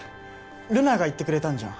留奈が言ってくれたんじゃん。